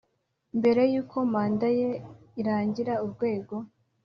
mbere y uko manda ye irangira Urwego